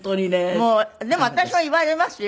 でも私も言われますよ。